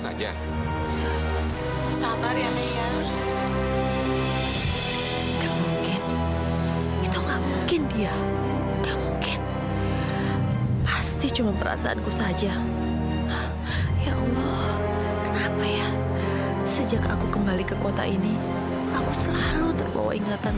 sampai jumpa di video selanjutnya